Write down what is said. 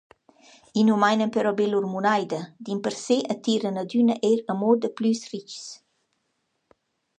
I nu mainan però be lur munaida dimpersè attiran adüna eir amo daplüs richs.